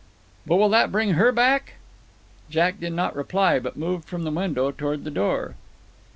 "But will that bring HER back?" Jack did not reply, but moved from the window toward the door.